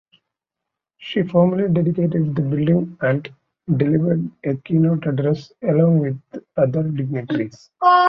She formally dedicated the building and delivered a keynote address along with other dignitaries.